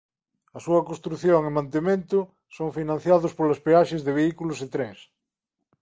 A súa construción e mantemento son financiados polas peaxes de vehículos e trens.